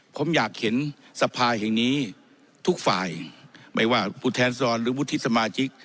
ผมอยากเห็นสภาแห่งนี้ทุกฝ่ายไม่ว่าผู้แทนสดรหรือวุฒิสมาชิก